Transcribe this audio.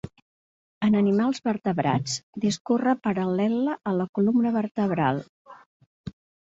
En animals vertebrats discorre paral·lela a la columna vertebral.